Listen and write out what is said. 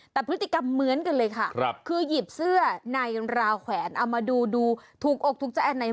แต่พฤติกรรมเหมือนกันเลยค่ะคือหยิบเสื้อในราวแขวนเอามาดูดูถูกอกถูกใจอันไหน